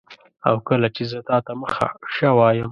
او کله چي زه تاته مخه ښه وایم